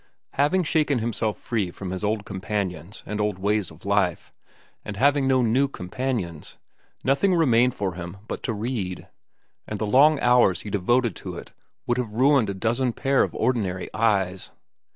Having shaken himself free from his old companions and old ways of life, and having no new companions, nothing remained for him but to read, and the long hours he devoted to it would have ruined a dozen pairs of ordinary eyes.